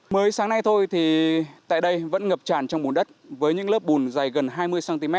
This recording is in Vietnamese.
mới sáng nay thôi thì tại đây vẫn ngập tràn trong bùn đất với những lớp bùn dày gần hai mươi cm